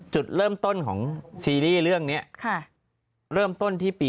จุดเริ่มต้นของซีรีส์เรื่องนี้เริ่มต้นที่ปี๒๕